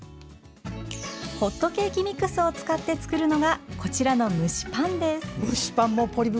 ホットケーキミックスを使って作るのがこちらの蒸しパンです。